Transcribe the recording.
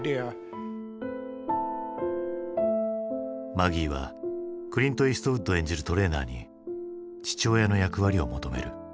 マギーはクリント・イーストウッド演じるトレーナーに父親の役割を求める。